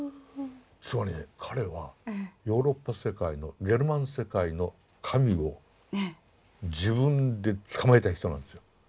つまりね彼はヨーロッパ世界のゲルマン世界の神を自分で捕まえた人なんですよ。